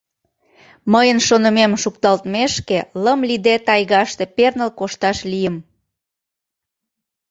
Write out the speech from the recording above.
Мыйын шонымем шукталтмешке лым лийде тайгаште перныл кошташ лийым.